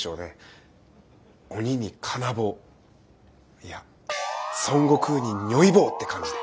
鬼に金棒いや孫悟空に如意棒って感じで。